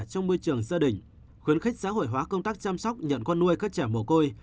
trong môi trường gia đình khuyến khích xã hội hóa công tác chăm sóc nhận con nuôi các trẻ mồ côi